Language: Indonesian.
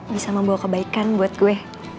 bisa membawa kebaikan buat gue